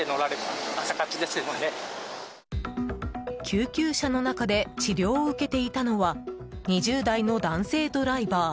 救急車の中で治療を受けていたのは２０代の男性ドライバー。